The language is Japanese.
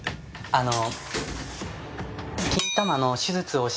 あの。